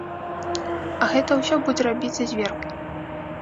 А гэта ўсё будзе рабіцца зверху.